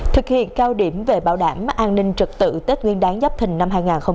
thực hiện cao điểm về bảo đảm an ninh trật tự tết nguyên đáng dắp thình năm hai nghìn hai mươi bốn